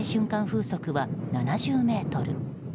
風速は７０メートル。